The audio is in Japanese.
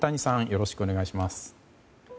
よろしくお願いします。